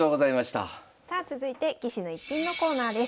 さあ続いて「棋士の逸品」のコーナーです。